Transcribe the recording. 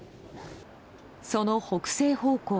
その北西方向。